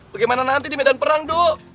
bagaimana nanti di medan perang do